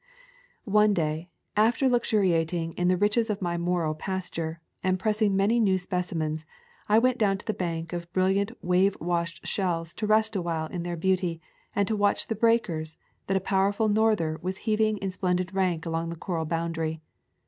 One day, after luxuriating in the riches of my Morro pasture, and pressing many new specimens, I went down to the bank of brilliant wave washed shells to rest awhile in their beauty, and to watch the breakers that a power ful norther was heaving in splendid rank along the coral boundary.